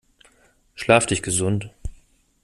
Schlaf dich gesund!